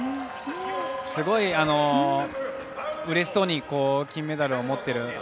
すごいうれしそうに金メダルを持っている。